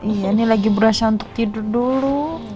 iya ini lagi berasa untuk tidur dulu